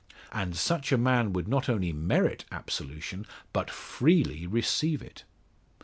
And such a man would not only merit absolution, but freely receive it.